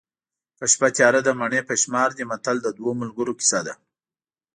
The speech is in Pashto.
که شپه تیاره ده مڼې په شمار دي متل د دوو ملګرو کیسه ده